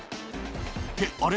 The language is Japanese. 「ってあれ？